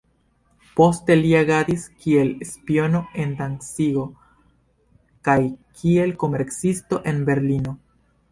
Poste li agadis kiel spiono en Dancigo kaj kiel komercisto en Berlino.